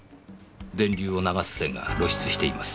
電流を流す線が露出しています。